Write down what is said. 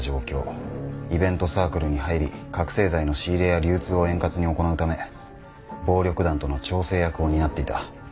イベントサークルに入り覚せい剤の仕入れや流通を円滑に行うため暴力団との調整役を担っていた。